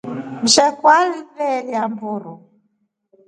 Msheku aliveelya mburu.